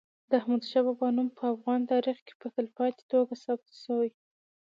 د احمد شاه بابا نوم په افغان تاریخ کي په تلپاتې توګه ثبت سوی.